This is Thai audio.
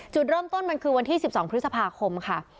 จุดเริ่มต้นมันคือวันที่๑๒พฤษภาคมค่ะ